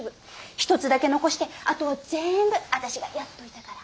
一つだけ残してあとは全部私がやっといたから。